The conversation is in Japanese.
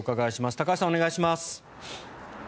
高橋さん、お願いします。